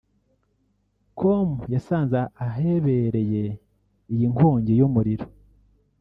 com yasanze ahebereye iyi nkongi y'umuriro